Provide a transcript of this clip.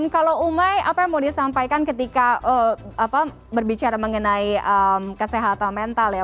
kalau umai apa yang mau disampaikan ketika berbicara mengenai kesehatan mental ya